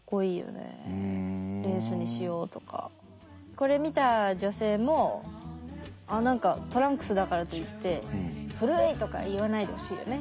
これ見た女性もあっ何かトランクスだからといって「古い」とか言わないでほしいよね。